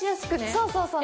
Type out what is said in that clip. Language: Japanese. そうそうそう。